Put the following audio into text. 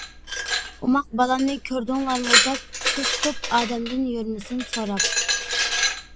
ئوماق بالامنى، كۆردۈڭلارمۇ دەپ، توپ-توپ ئادەمدىن، يۈرمىسۇن سوراپ.